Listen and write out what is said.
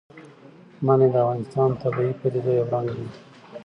منی د افغانستان د طبیعي پدیدو یو رنګ دی.